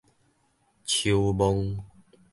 揫墓